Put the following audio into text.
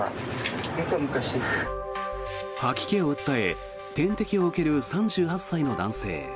吐き気を訴え、点滴を受ける３８歳の男性。